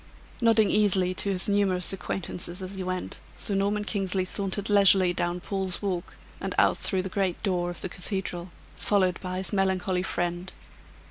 Nodding easily to his numerous acquaintances as he went, Sir Norman Kingsley sauntered leisurely down Paul's Walk, and out through the great door of the cathedral, followed by his melancholy friend.